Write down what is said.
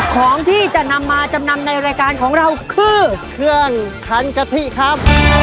ของที่จะนำมาจำนำในรายการของเราคือเครื่องคันกะทิครับ